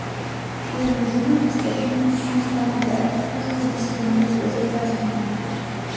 De nos jours, cette munition semble être toujours disponible aux États-Unis.